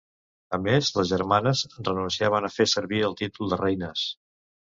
A més, les germanes renunciaven a fer servir el títol de reines.